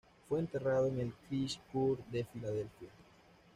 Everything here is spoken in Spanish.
Fue enterrado en la "Christ Church" de Filadelfia.